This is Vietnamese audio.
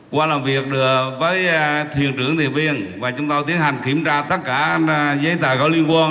qua làm việc với thuyền trưởng thuyền viên và chúng tôi tiến hành kiểm tra tất cả giấy tờ có liên quan